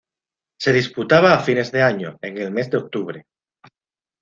Se disputaba a fines de año, en el mes de octubre.